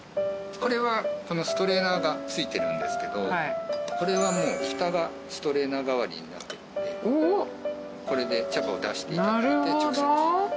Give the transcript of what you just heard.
これはストレーナーが付いてるんですけどこれはもうふたがストレーナー代わりになってるのでこれで茶葉を出していただいて直接。